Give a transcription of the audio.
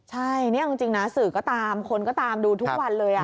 ใช่นี่เอาจริงนะสื่อก็ตามคนก็ตามดูทุกวันเลย